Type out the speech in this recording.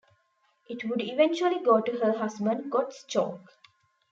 It would eventually go to her husband Gottschalk.